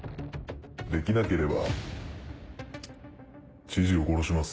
できなければ知事を殺します。